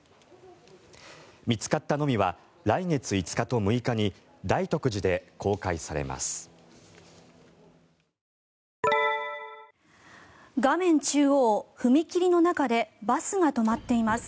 見つかったノミは来月５日と６日に大徳寺で公開されます。